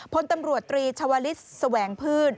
พลตำรวจตรีชาวลิศแสวงพืช